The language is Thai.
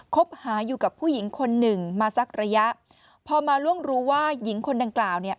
คบหาอยู่กับผู้หญิงคนหนึ่งมาสักระยะพอมาล่วงรู้ว่าหญิงคนดังกล่าวเนี่ย